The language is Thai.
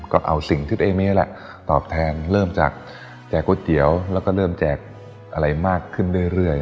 ก็เอาสิ่งที่ตัวเองมีนี่แหละตอบแทนเริ่มจากแจกก๋วยเตี๋ยวแล้วก็เริ่มแจกอะไรมากขึ้นเรื่อย